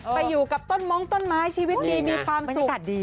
ไปอยู่กับต้นม้องต้นไม้ชีวิตดีมีความสกัดดี